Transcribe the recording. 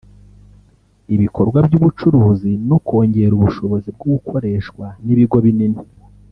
ibikorwa by’ubucuruzi no kongera ubushobozi bw’ukoreshwa n’ibigo binini